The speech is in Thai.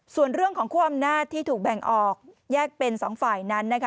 ส่วนเรื่องของคั่วอำนาจที่ถูกแบ่งออกแยกเป็นสองฝ่ายนั้นนะคะ